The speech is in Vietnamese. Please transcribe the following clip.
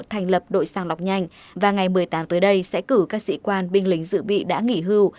thành lập đội sàng lọc nhanh và ngày một mươi tám tới đây sẽ cử các sĩ quan binh lính dự bị đã nghỉ hưu